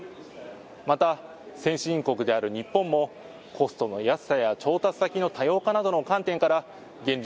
また、先進国である日本もコストの安さや調達先の多様化などの観点から現状